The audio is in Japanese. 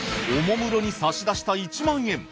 おもむろに差し出した１万円。